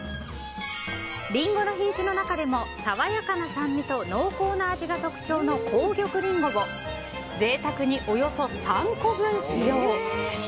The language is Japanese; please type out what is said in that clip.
りんごの品種の中でも爽やかな酸味と濃厚な味が特徴の紅玉りんごを贅沢におよそ３個分使用。